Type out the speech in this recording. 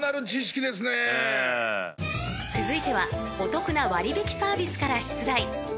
［続いてはお得な割引サービスから出題］